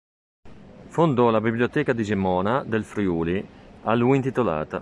Fondò la biblioteca di Gemona del Friuli, a lui intitolata.